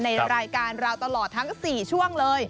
ในรายการเราตลอดทั้ง๔ช่วงเลย